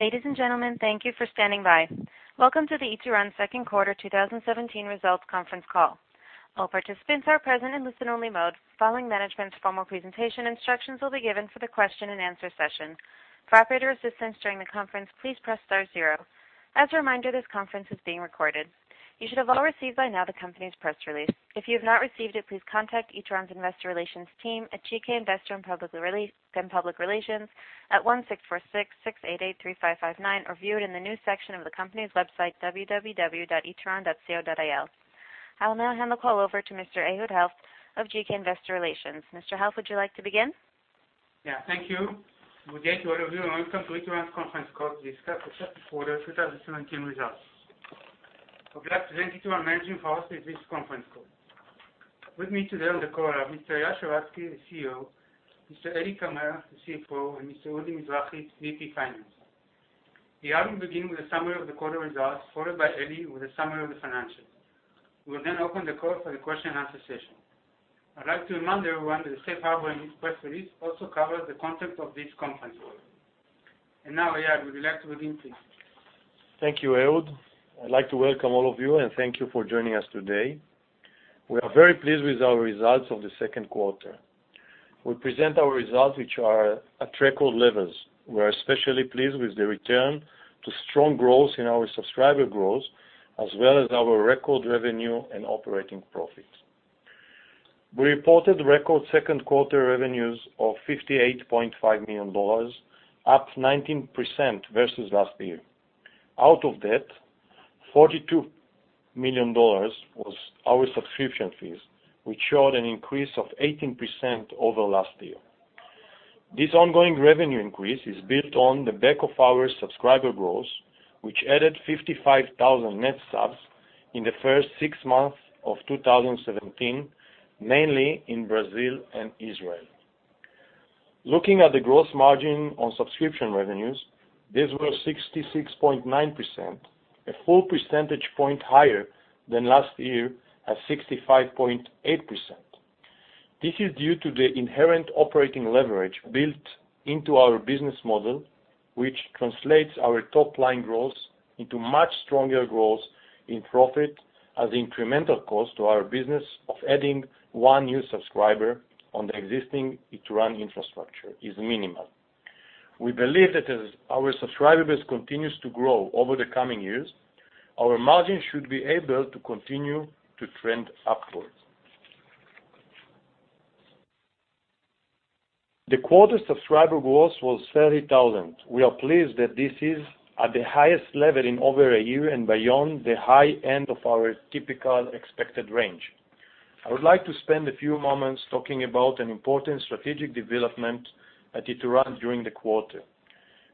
Ladies and gentlemen, thank you for standing by. Welcome to the Ituran second quarter 2017 results conference call. All participants are present in listen-only mode. Following management's formal presentation, instructions will be given for the question and answer session. For operator assistance during the conference, please press star zero. As a reminder, this conference is being recorded. You should have all received by now the company's press release. If you have not received it, please contact Ituran Investor Relations team at GK Investor & Public Relations at one six four six six eight eight three five nine or view it in the news section of the company's website, www.ituran.co.il. I will now hand the call over to Mr. Ehud Helft of GK Investor & Public Relations. Mr. Helft, would you like to begin? Yeah, thank you. Good day to all of you, and welcome to Ituran's conference call to discuss the second quarter 2017 results. I would like to thank you to our managing for hosting this conference call. With me today on the call are Mr. Eyal Sheratzky, the CEO, Mr. Eli Kamer, the CFO, and Mr. Udi Mizrahi, VP Finance. Eyal will begin with a summary of the quarter results, followed by Eli with a summary of the financials. We'll then open the call for the question and answer session. I'd like to remind everyone that the safe harbor in this press release also covers the content of this conference call. Now, Eyal, would you like to begin, please? Thank you, Ehud. I'd like to welcome all of you and thank you for joining us today. We are very pleased with our results of the second quarter. We present our results, which are at record levels. We're especially pleased with the return to strong growth in our subscriber growth, as well as our record revenue and operating profit. We reported record second-quarter revenues of $58.5 million, up 19% versus last year. Out of that, $42 million was our subscription fees, which showed an increase of 18% over last year. This ongoing revenue increase is built on the back of our subscriber growth, which added 55,000 net subs in the first six months of 2017, mainly in Brazil and Israel. Looking at the gross margin on subscription revenues, this was 66.9%, a full percentage point higher than last year at 65.8%. This is due to the inherent operating leverage built into our business model, which translates our top-line growth into much stronger growth in profit as incremental cost to our business of adding one new subscriber on the existing Ituran infrastructure is minimal. We believe that as our subscriber base continues to grow over the coming years, our margin should be able to continue to trend upwards. The quarter subscriber growth was 30,000. We are pleased that this is at the highest level in over a year and beyond the high end of our typical expected range. I would like to spend a few moments talking about an important strategic development at Ituran during the quarter.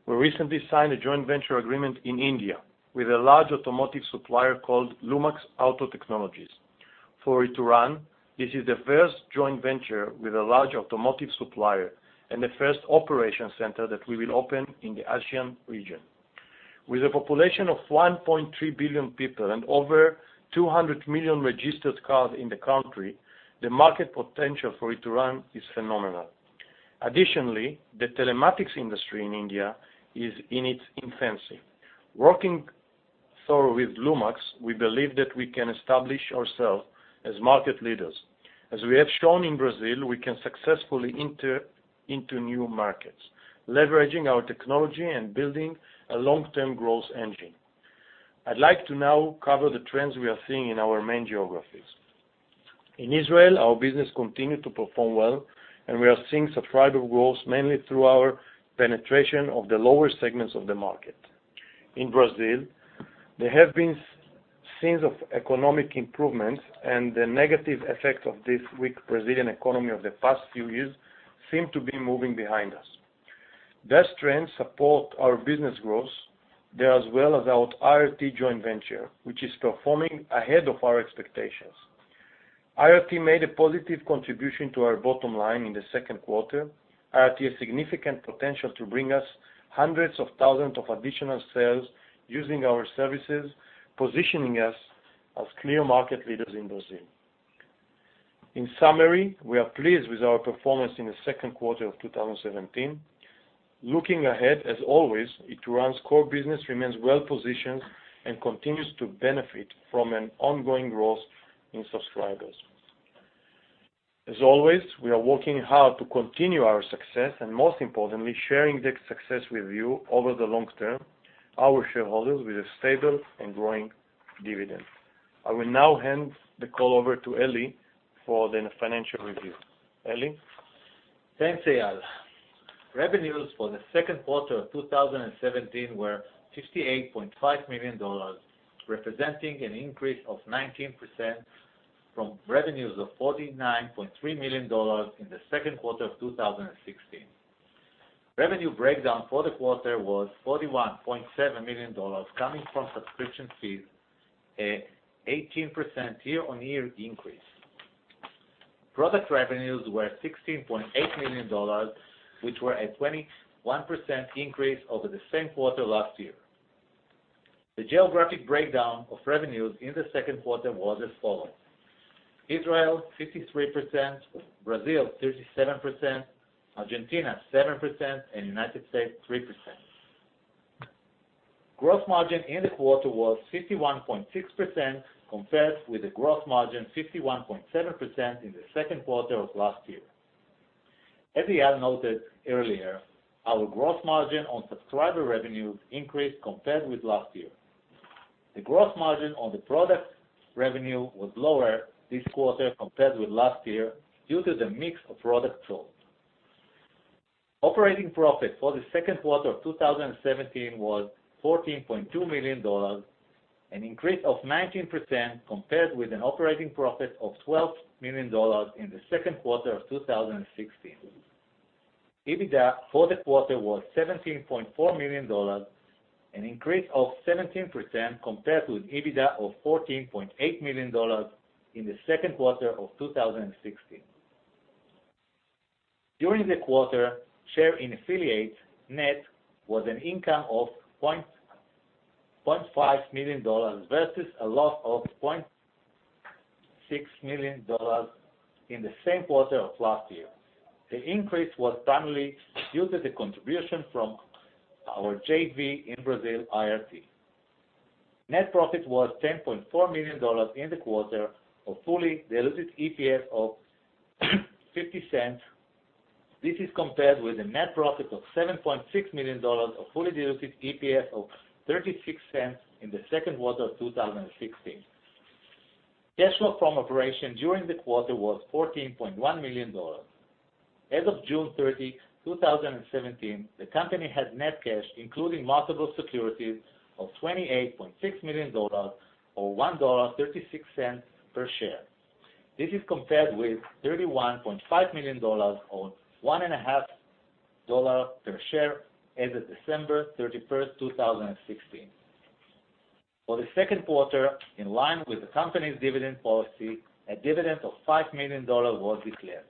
We recently signed a joint venture agreement in India with a large automotive supplier called Lumax Auto Technologies. For Ituran, this is the first joint venture with a large automotive supplier and the first operation center that we will open in the Asian region. With a population of 1.3 billion people and over 200 million registered cars in the country, the market potential for Ituran is phenomenal. Additionally, the telematics industry in India is in its infancy. Working through with Lumax, we believe that we can establish ourselves as market leaders. As we have shown in Brazil, we can successfully enter into new markets, leveraging our technology and building a long-term growth engine. I'd like to now cover the trends we are seeing in our main geographies. In Israel, our business continued to perform well, and we are seeing subscriber growth mainly through our penetration of the lower segments of the market. In Brazil, there have been signs of economic improvements, the negative effects of this weak Brazilian economy of the past few years seem to be moving behind us. That trend support our business growth there, as well as our IoT joint venture, which is performing ahead of our expectations. IoT made a positive contribution to our bottom line in the second quarter. IoT has significant potential to bring us hundreds of thousands of additional sales using our services, positioning us as clear market leaders in Brazil. In summary, we are pleased with our performance in the second quarter of 2017. Looking ahead, as always, Ituran's core business remains well-positioned and continues to benefit from an ongoing growth in subscribers. As always, we are working hard to continue our success and most importantly, sharing the success with you over the long term, our shareholders, with a stable and growing dividend. I will now hand the call over to Eli for the financial review. Eli? Thanks, Eyal. Revenues for the second quarter of 2017 were $58.5 million, representing an increase of 19% from revenues of $49.3 million in the second quarter of 2016. Revenue breakdown for the quarter was $41.7 million coming from subscription fees, an 18% year-on-year increase. Product revenues were $16.8 million, which were a 21% increase over the same quarter last year. The geographic breakdown of revenues in the second quarter was as follows: Israel 53%, Brazil 37%, Argentina 7%, and U.S. 3%. Gross margin in the quarter was 51.6%, compared with the gross margin 51.7% in the second quarter of last year. As Eyal noted earlier, our gross margin on subscriber revenues increased compared with last year. The gross margin on the product revenue was lower this quarter compared with last year due to the mix of products sold. Operating profit for the second quarter of 2017 was $14.2 million, an increase of 19% compared with an operating profit of $12 million in the second quarter of 2016. EBITDA for the quarter was $17.4 million, an increase of 17% compared with EBITDA of $14.8 million in the second quarter of 2016. During the quarter, share in affiliates net was an income of $0.5 million versus a loss of $0.6 million in the same quarter of last year. The increase was primarily due to the contribution from our JV in Brazil, IRT. Net profit was $10.4 million in the quarter of fully diluted EPS of $0.50. This is compared with a net profit of $7.6 million of fully diluted EPS of $0.36 in the second quarter of 2016. Cash flow from operation during the quarter was $14.1 million. As of June 30, 2017, the company had net cash, including marketable securities, of $28.6 million or $1.36 per share. This is compared with $31.5 million or $1.5 per share as of December 31st, 2016. For the second quarter, in line with the company's dividend policy, a dividend of $5 million was declared.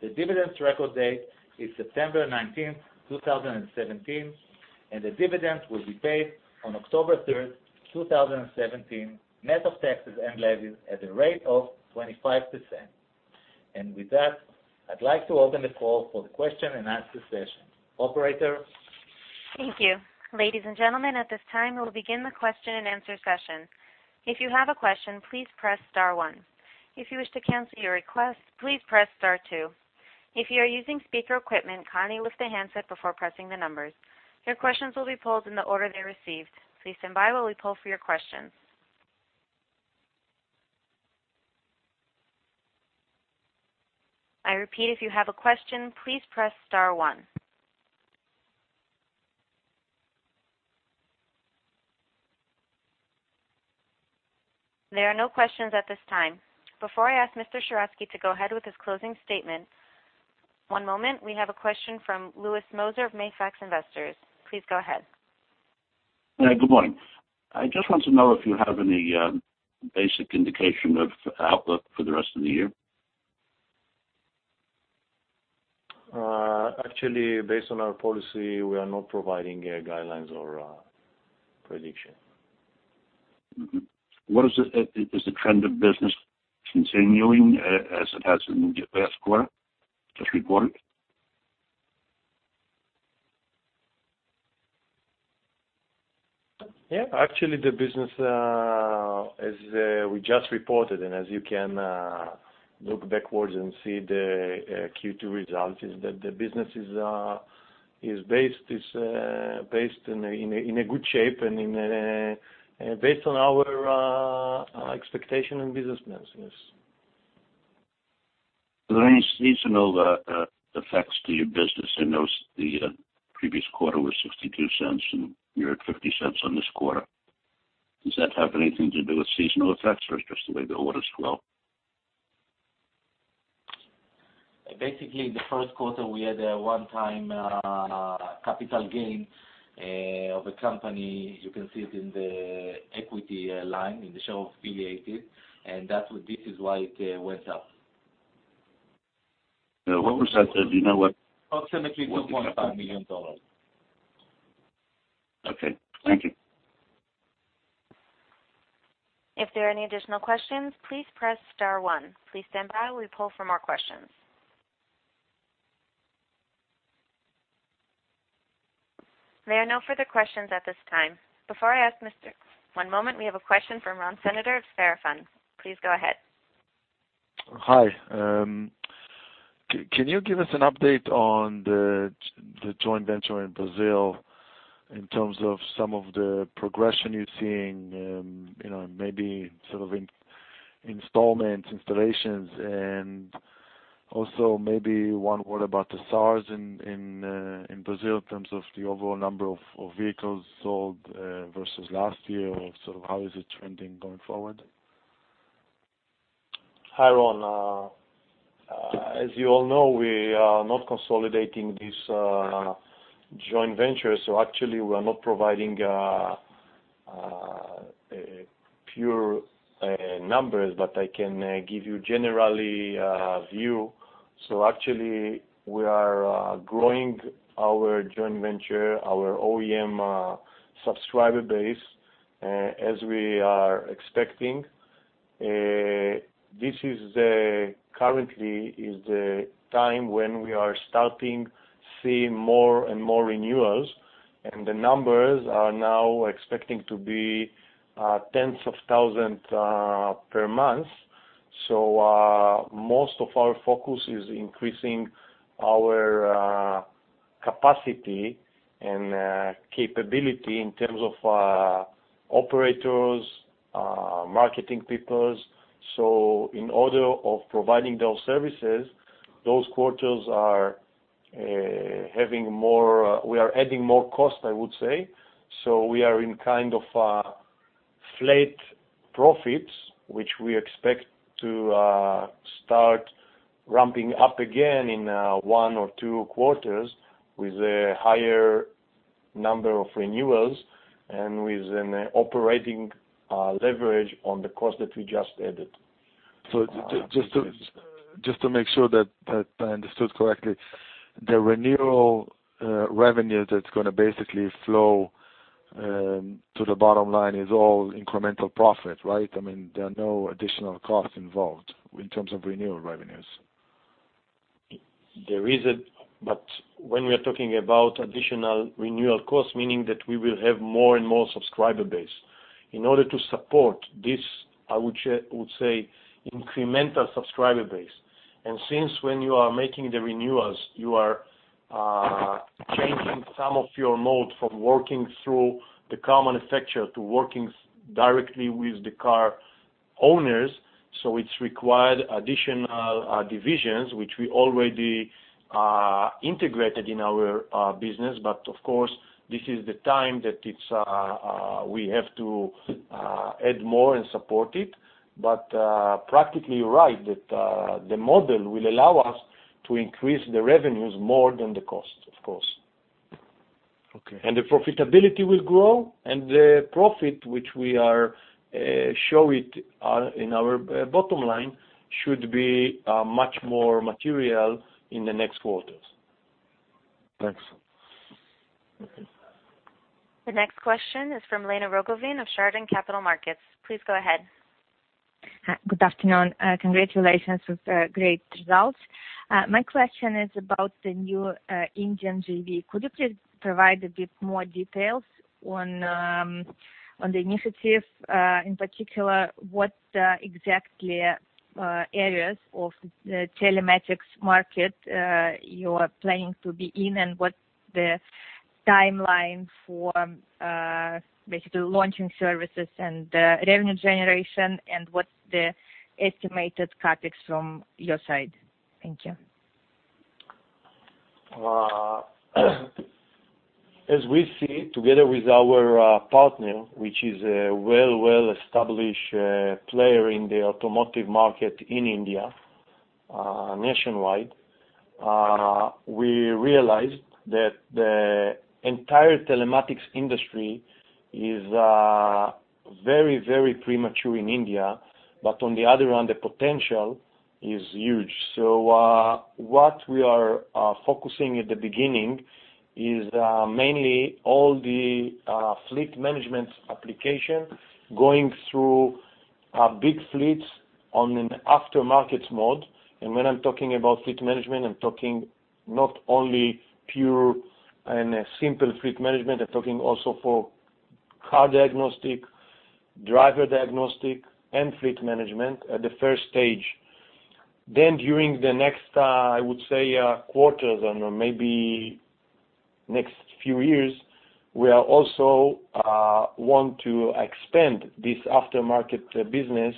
The dividend's record date is September 19, 2017, and the dividend will be paid on October 3rd, 2017, net of taxes and levies at a rate of 25%. With that, I'd like to open the call for the question-and-answer session. Operator? Thank you. Ladies and gentlemen, at this time, we'll begin the question-and-answer session. If you have a question, please press star one. If you wish to cancel your request, please press star two. If you are using speaker equipment, kindly lift the handset before pressing the numbers. Your questions will be pulled in the order they're received. Please stand by while we pull for your questions. I repeat, if you have a question, please press star one. There are no questions at this time. Before I ask Mr. Sheratzky to go ahead with his closing statement. One moment. We have a question from Louis Moser of Mafax Investors. Please go ahead. Good morning. I just want to know if you have any basic indication of outlook for the rest of the year. Actually, based on our policy, we are not providing guidelines or prediction. Is the trend of business continuing as it has in the last quarter, just reported? Yeah, actually the business, as we just reported and as you can look backwards and see the Q2 results, is that the business is based in a good shape and based on our expectation in business, yes. Are there any seasonal effects to your business? I notice the previous quarter was $0.62, and you're at $0.50 on this quarter. Does that have anything to do with seasonal effects or it's just the way the orders grow? Basically, in the 1st quarter, we had a one-time capital gain of a company. You can see it in the equity line in the share of affiliates, and that's this is why it went up. What was that? Do you know? Approximately $2.5 million. Okay, thank you. If there are any additional questions, please press star one. Please stand by while we pull for more questions. There are no further questions at this time. Before I ask One moment, we have a question from Ron Senator of Fairfund. Please go ahead. Hi. Can you give us an update on the joint venture in Brazil in terms of some of the progression you're seeing, maybe installments, installations, and also maybe one word about the sales in Brazil in terms of the overall number of vehicles sold versus last year, or how is it trending going forward? Hi, Ron. As you all know, we are not consolidating this joint venture, so actually, we are not providing pure numbers, but I can give you generally a view Actually, we are growing our joint venture, our OEM subscriber base as we are expecting. This currently is the time when we are starting to see more and more renewals, and the numbers are now expecting to be tens of thousands per month. Most of our focus is increasing our capacity and capability in terms of operators, marketing peoples. In order of providing those services, those quarters we are adding more cost, I would say. We are in kind of a flat profits, which we expect to start ramping up again in one or two quarters with a higher number of renewals and with an operating leverage on the cost that we just added. Just to make sure that I understood correctly, the renewal revenue that's going to basically flow to the bottom line is all incremental profit, right? I mean, there are no additional costs involved in terms of renewal revenues. There is, but when we're talking about additional renewal costs, meaning that we will have more and more subscriber base. In order to support this, I would say, incremental subscriber base, and since when you are making the renewals, you are changing some of your mode from working through the car manufacturer to working directly with the car owners. It's required additional divisions, which we already integrated in our business. Of course, this is the time that we have to add more and support it. Practically, you're right, that the model will allow us to increase the revenues more than the cost, of course. Okay. The profitability will grow, and the profit, which we are showing it in our bottom line, should be much more material in the next quarters. Thanks. The next question is from Elena Rogovin of Chardan Capital Markets. Please go ahead. Good afternoon. Congratulations with great results. My question is about the new Indian JV. Could you please provide a bit more details on the initiative, in particular, what exactly areas of the telematics market you are planning to be in and what the timeline for basically launching services and revenue generation, and what's the estimated CapEx from your side? Thank you. As we see, together with our partner, which is a well established player in the automotive market in India, nationwide, we realized that the entire telematics industry is very premature in India, but on the other hand, the potential is huge. What we are focusing at the beginning is mainly all the fleet management application going through big fleets on an aftermarket mode. When I'm talking about fleet management, I'm talking not only pure and simple fleet management, I'm talking also for car diagnostic, driver diagnostic, and fleet management at the 1st stage. During the next, I would say, quarters or maybe next few years, we also want to expand this aftermarket business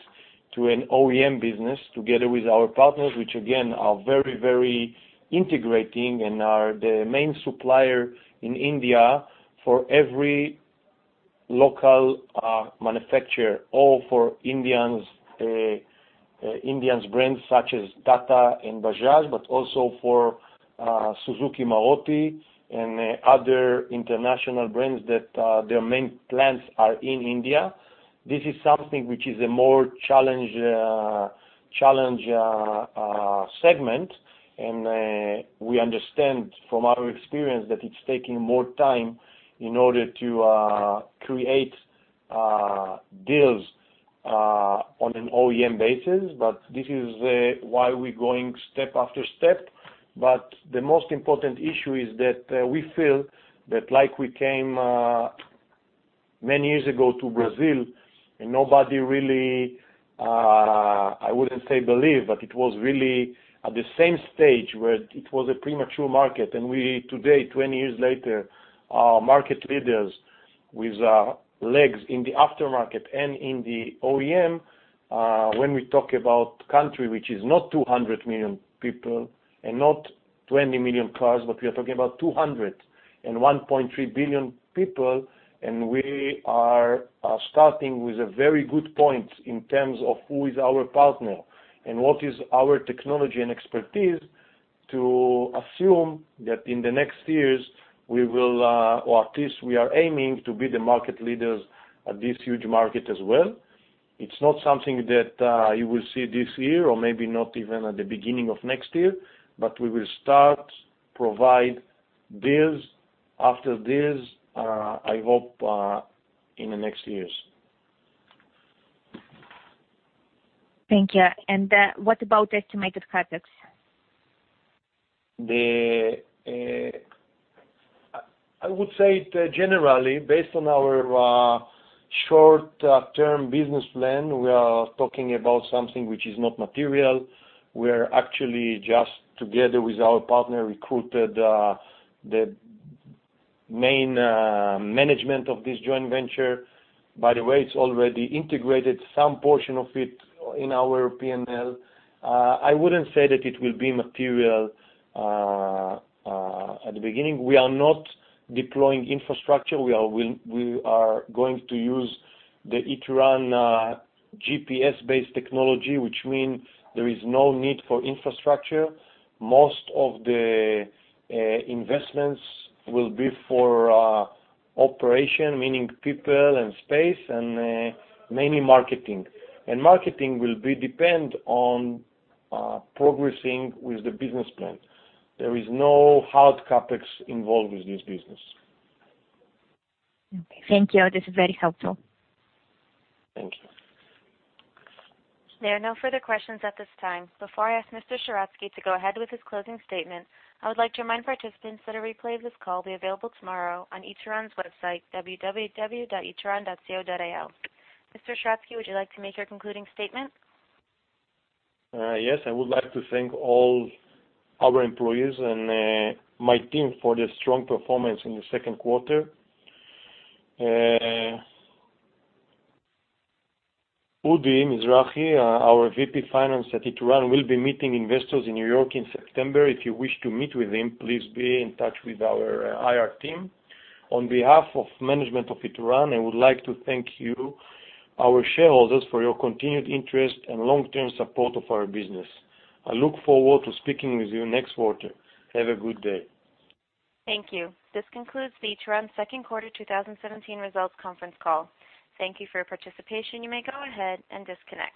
to an OEM business together with our partners, which again, are very integrating and are the main supplier in India for every local manufacturer, all for Indian brands such as Tata and Bajaj, also for Maruti Suzuki and other international brands that their main plants are in India. This is something which is a more challenge segment. We understand from our experience that it's taking more time in order to create deals on an OEM basis, this is why we're going step after step. The most important issue is that we feel that like we came many years ago to Brazil, and nobody really, I wouldn't say believed, but it was really at the same stage where it was a premature market, and we today, 20 years later, are market leaders with legs in the aftermarket and in the OEM. When we talk about country, which is not 200 million people and not 20 million cars, but we are talking about 200 and 1.3 billion people, and we are starting with a very good point in terms of who is our partner and what is our technology and expertise to assume that in the next years, we will or at least we are aiming to be the market leaders at this huge market as well. It's not something that you will see this year or maybe not even at the beginning of next year, we will start provide this after this, I hope, in the next years. Thank you. What about estimated CapEx? I would say generally, based on our short-term business plan, we are talking about something which is not material. We are actually just together with our partner, recruited the main management of this joint venture. By the way, it's already integrated some portion of it in our P&L. I wouldn't say that it will be material at the beginning. We are not deploying infrastructure. We are going to use the Ituran GPS-based technology, which mean there is no need for infrastructure. Most of the investments will be for operation, meaning people and space, and mainly marketing. Marketing will be depend on progressing with the business plan. There is no hard CapEx involved with this business. Okay. Thank you. This is very helpful. Thank you. There are no further questions at this time. Before I ask Mr. Sheratzky to go ahead with his closing statement, I would like to remind participants that a replay of this call will be available tomorrow on Ituran's website, www.ituran.co.il. Mr. Sheratzky, would you like to make your concluding statement? Yes, I would like to thank all our employees and my team for their strong performance in the second quarter. Udi Mizrahi, our VP Finance at Ituran, will be meeting investors in New York in September. If you wish to meet with him, please be in touch with our IR team. On behalf of management of Ituran, I would like to thank you, our shareholders, for your continued interest and long-term support of our business. I look forward to speaking with you next quarter. Have a good day. Thank you. This concludes the Ituran second quarter 2017 results conference call. Thank you for your participation. You may go ahead and disconnect.